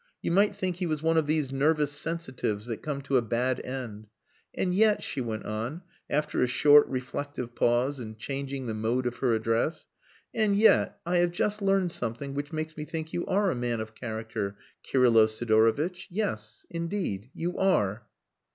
You might think he was one of these nervous sensitives that come to a bad end. And yet," she went on, after a short, reflective pause and changing the mode of her address, "and yet I have just learned something which makes me think that you are a man of character, Kirylo Sidorovitch. Yes! indeed you are."